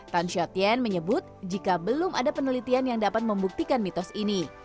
tan shot yen menyebut jika belum ada penelitian yang dapat membuktikan mitos ini